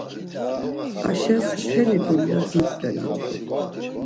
Aşes mteli dulyas nuşvelamt̆u.